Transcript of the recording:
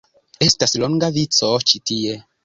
Estas longa vico ĉi tie